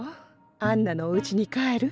アンナのおうちに帰る？